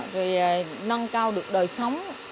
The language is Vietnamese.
rồi nâng cao được đời sống